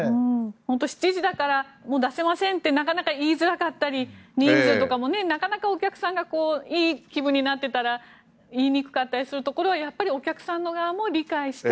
本当に７時だから出せませんってなかなか言いづらかったり人数とかもなかなかお客さんがいい気分になっていたら言いにくかったりするところはやっぱりお客さんの側も理解して。